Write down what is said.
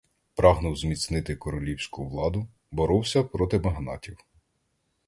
Прагнув зміцнити королівську владу, боровся проти магнатів.